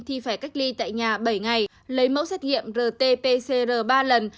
thì phải cách ly tại nhà bảy ngày lấy mẫu xét nghiệm rt pcr ba lần